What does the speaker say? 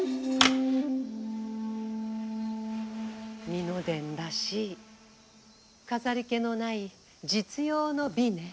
美濃伝らしい飾り気のない実用の美ね。